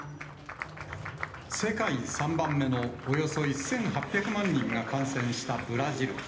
世界３番目のおよそ１８００万人が感染したブラジル。